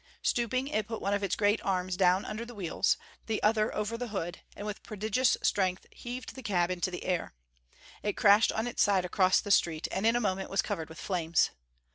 Stooping, it put one of its great arms down under the wheels, the other over the hood, and with prodigious strength heaved the cab into the air. It crashed on its side across the street, and in a moment was covered with flames.